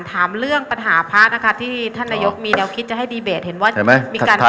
ถามเรื่องปัญหาพระนะคะที่ท่านนายกมีแนวคิดจะให้ดีเบตเห็นว่ามีการ